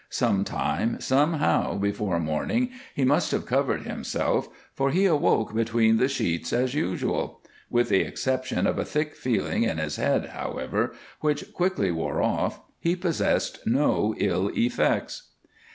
Some time, somehow, before morning he must have covered himself, for he awoke between the sheets as usual. With the exception of a thick feeling in his head, however, which quickly wore off, he possessed no ill effects.